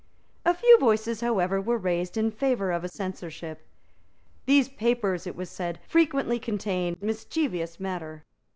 A few voices, however, were raised in favour of a censorship. "These papers," it was said, "frequently contain mischievous matter."